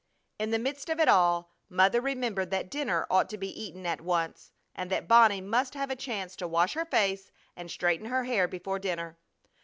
In the midst of it all Mother remembered that dinner ought to be eaten at once, and that Bonnie must have a chance to wash her face and straighten her hair before dinner.